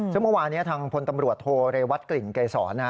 ฉะนั้นเมื่อวานี้ทางพลตำรวจโทเรวัตกลิ่งไกยศร